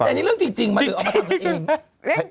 แต่อันนี้เรื่องจริงจริงมันเลยออกมาจึงเนอะเอง